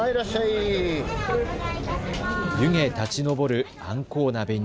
湯気、立ち上るあんこう鍋に。